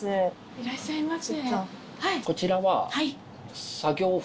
いらっしゃいませ。